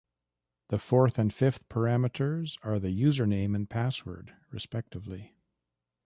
The fourth and fifth parameters are the username and password, respectively.